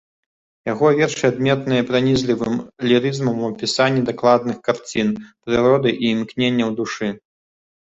Яго вершы адметныя пранізлівым лірызмам у апісанні дакладных карцін прыроды і імкненняў душы.